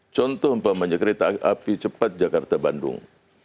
contoh umpamanya kereta api cepat jakarta bandung